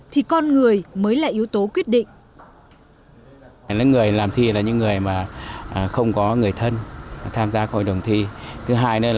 thì con người mới là yếu tố quyết định